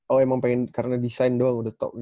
oh emang pengen karena desain doang